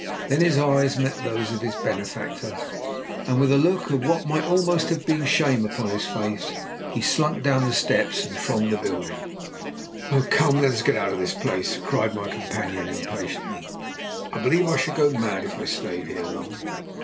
Then his eyes met those of his benefactor, and with a look of what might almost have been shame upon his face, he slunk down the steps and from the building. "Come, let us get out of this place," cried my companion impatiently, "I believe I should go mad if I stayed here long."